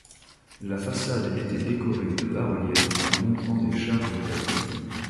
La façade était décorée de bas-reliefs montrant des charges de cavaliers.